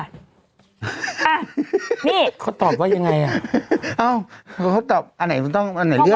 อะนี่เขาตอบว่ายังไง